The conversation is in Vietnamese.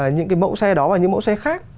những cái mẫu xe đó và những mẫu xe khác